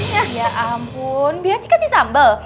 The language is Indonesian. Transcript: iya ampun biasi kasih sambel